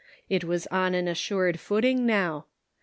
It was on an assured footing now.